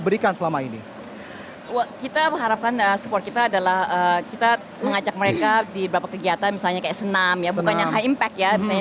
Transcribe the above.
setelah ini kita akan kembali dengan yang lebih seru lagi